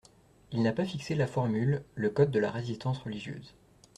Il n'a pas fixé la formule, le code de la résistance religieuse.